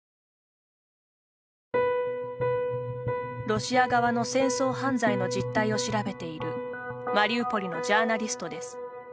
ロシア側の戦争犯罪の実態を調べているマリウポリのジャーナリストです。